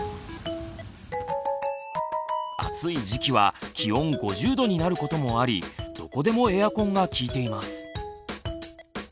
暑い時期は気温５０℃になることもありどこでもエアコンが効いています。